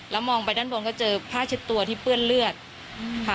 มองไปด้านบนก็เจอผ้าเช็ดตัวที่เปื้อนเลือดค่ะ